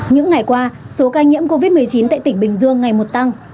những ngày qua số ca nhiễm covid một mươi chín tại tỉnh bình dương ngày một tăng